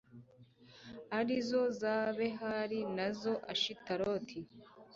ari zo za behali na za ashitaroti